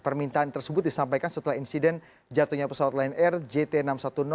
permintaan tersebut disampaikan setelah insiden jatuhnya pesawat lion air jt enam ratus sepuluh